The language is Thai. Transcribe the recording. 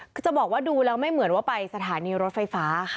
คือจะบอกว่าดูแล้วไม่เหมือนว่าไปสถานีรถไฟฟ้าค่ะ